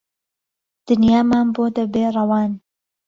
دنیامان بۆ دهبێ ڕەوان